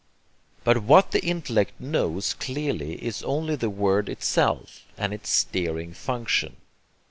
But what the intellect knows clearly is only the word itself and its steering function.